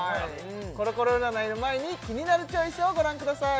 コロコロ占いの前にキニナルチョイスをご覧ください